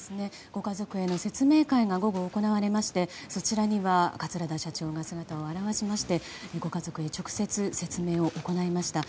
ご家族への説明会が午後行われまして、そちらには桂田社長が姿を現しましてご家族に直接説明を行いました。